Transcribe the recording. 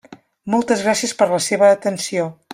Moltes gràcies per la seva atenció.